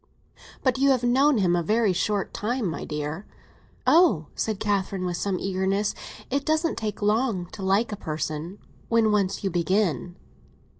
"But you have known him a very short time, my dear." "Oh," said Catherine, with some eagerness, "it doesn't take long to like a person—when once you begin."